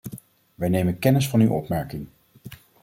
Wij nemen kennis van uw opmerking.